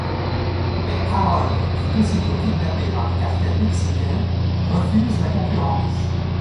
Mais Harold est aussitôt kidnappé par le cartel mexicain, qui refuse la concurrence.